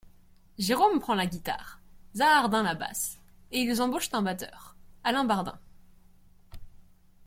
Jérôme prend la guitare, Zahardin la basse, et ils embauchent un batteur, Alain Bardin.